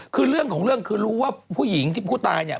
คือเรื่องของเรื่องคือรู้ว่าผู้หญิงที่ผู้ตายเนี่ย